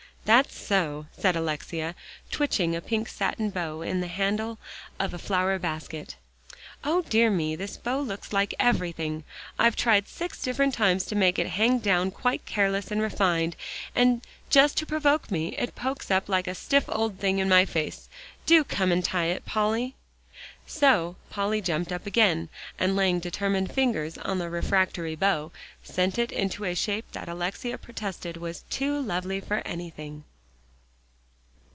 "That's so," said Alexia, twitching a pink satin bow on the handle of a flower basket. "O dear me! this bow looks like everything! I've tried six different times to make it hang down quite careless and refined. And just to provoke me, it pokes up like a stiff old thing in my face. Do come and tie it, Polly." So Polly jumped up again, and laying determined fingers on the refractory bow, sent it into a shape that Alexia protested was "too lovely for anything."